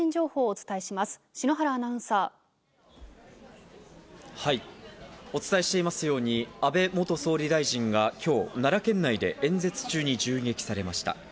お伝えしていますように安倍元総理大臣が今日、奈良県内で演説中に銃撃されました。